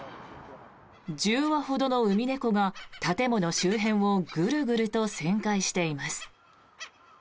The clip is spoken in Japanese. １０羽ほどのウミネコが建物周辺をぐるぐると旋回しています。